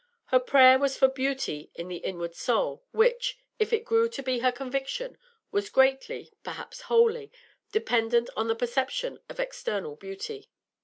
Her prayer was for 'beauty in the inward soul,' which, if it grew to be her conviction, was greatly perhaps wholly dependent on the perception of external beauty.